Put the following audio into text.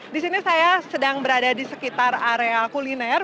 di sini saya sedang berada di sekitar area kuliner